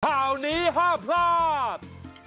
ข่าวนี้ห้ามพลาด